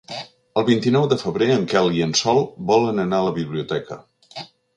El vint-i-nou de febrer en Quel i en Sol volen anar a la biblioteca.